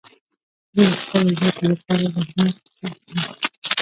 زه د خپلو زده کړو لپاره زحمت کښ یم.